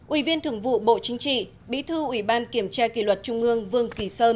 ủy viên thường vụ bộ chính trị bí thư ủy ban kiểm tra kỷ luật trung ương vương kỳ sơn